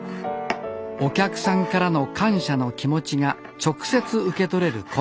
お客さんからの感謝の気持ちが直接受け取れる